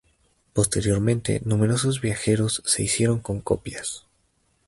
Posteriormente, numerosos viajeros se hicieron con copias.